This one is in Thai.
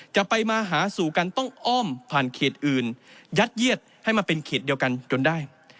จะไปมาหาสู่กันต้องอ้อมผ่านเขตอื่นยัดเยียดให้มาเป็นเขตเดียวกันจนได้